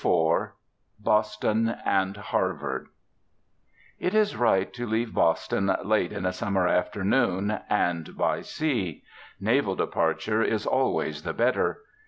IV BOSTON AND HARVARD It is right to leave Boston late in a summer afternoon, and by sea. Naval departure is always the better.